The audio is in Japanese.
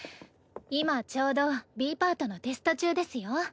今ちょうどＢパートのテスト中ですよ。